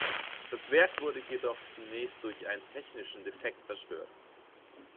Das Werk wurde jedoch zunächst durch einen technischen Defekt zerstört.